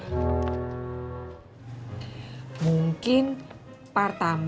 oh di penggolan sana dong deket warung